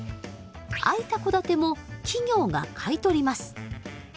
空いた戸建ても企業が買い取ります。